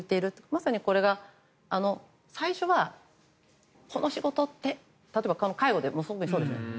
まさにこれが最初はその仕事って例えば介護でもそうですよね。